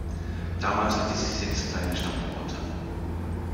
Damals hatte sie sechs kleine Standorte.